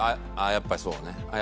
やっぱりそうだね」。